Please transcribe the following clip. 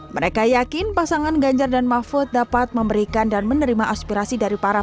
dua ribu dua puluh empat mereka yakin pasangan ganjar dan mahfud dapat memberikan dan menerima aspirasi dari para